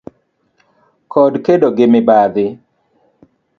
kod kedo gi mibadhi.